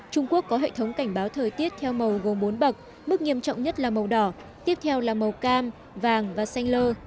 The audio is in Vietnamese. trung quốc có hệ thống cảnh báo thời tiết theo màu gồm bốn bậc mức nghiêm trọng nhất là màu đỏ tiếp theo là màu cam vàng và xanh lơ